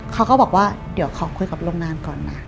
เขาก็บอกว่าเดี๋ยวขอคุยกับโรงงานก่อนนะ